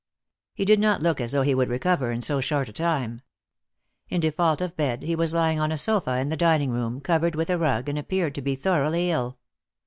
He did not look as though he would recover in so short a time. In default of bed, he was lying on a sofa in the dining room, covered with a rug, and he appeared to be thoroughly ill.